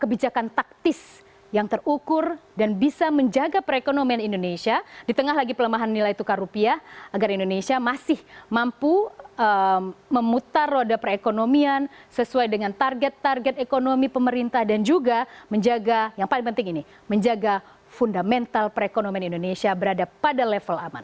kebijakan taktis yang terukur dan bisa menjaga perekonomian indonesia di tengah lagi pelemahan nilai tukar rupiah agar indonesia masih mampu memutar roda perekonomian sesuai dengan target target ekonomi pemerintah dan juga menjaga yang paling penting ini menjaga fundamental perekonomian indonesia berada pada level aman